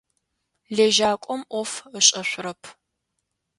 Лэжьакӏом ӏоф ышӏэшъурэп.